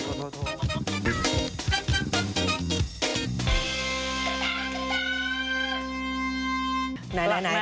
เดี๋ยวช่วงหน้ามาว่ากันค่ะ